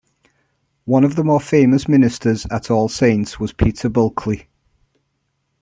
One of the more famous ministers at All Saints was Peter Bulkeley.